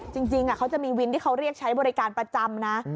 จริงเขาจะมีวินที่เขาเรียกใช้บริการประจำนะ